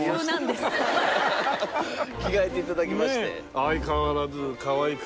着替えて頂きまして。